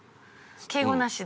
敬語なしで。